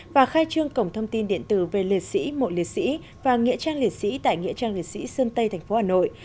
và khai trương cổng thông tin điện tử về liệt sĩ mộ liệt sĩ và nghĩa trang liệt sĩ tại nghĩa trang liệt sĩ sơn tây tp hà nội